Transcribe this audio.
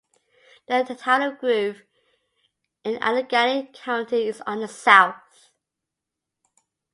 The Town of Grove in Allegany County is on the south.